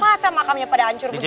masa makamnya pada hancur besar